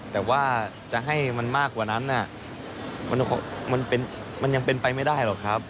แต่ว่าจะให้มันมากกว่านั้นมันยังเป็นไปไม่ได้หรอกครับ